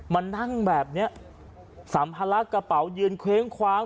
มานั่งแบบเนี้ยสัมภาระกระเป๋ายืนเคว้งคว้าง